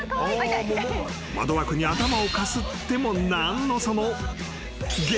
［窓枠に頭をかすっても何のその］